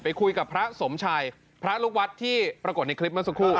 คุยกับพระสมชัยพระลูกวัดที่ปรากฏในคลิปเมื่อสักครู่